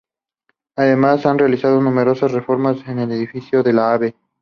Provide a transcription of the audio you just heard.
Además han realizado numerosas reformas en el edificio de la Av.